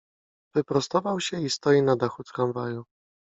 Wyprostował się i stoi na dachu tramwaju.